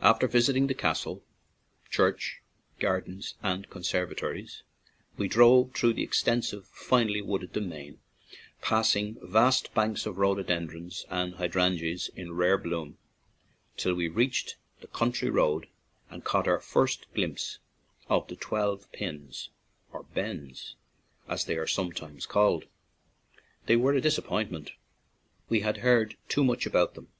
After visiting the castle, church, gar 76 LEENANE TO RECESS dens, and conservatories, we drove through the extensive, finely wooded demesne, passing vast banks of rhododendrons and hydrangeas in rare bloom, till we reached the county road and caught our first glimpse of the Twelve Pins, or Bens, as they are sometimes called. They were a disappointment; we had heard too much about them.